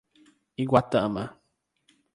Iguatama